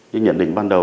những nhận định ban đầu